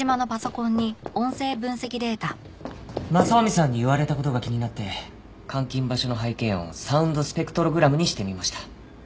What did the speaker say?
雅臣さんに言われた事が気になって監禁場所の背景音をサウンドスペクトログラムにしてみました。